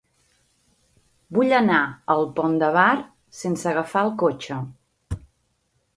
Vull anar al Pont de Bar sense agafar el cotxe.